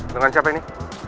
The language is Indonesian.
dengan siapa ini